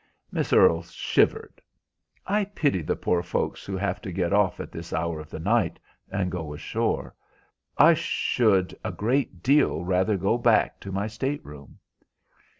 Miss Earle shivered. "I pity the poor folks who have to get up at this hour of the night and go ashore. I should a great deal rather go back to my state room."